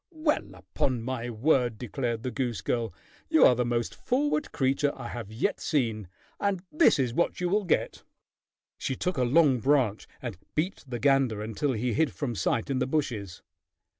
"Well, upon my word!" declared the goose girl. "You are the most forward creature I have yet seen, and this is what you will get." She took a long branch and beat the gander until he hid from sight in the bushes.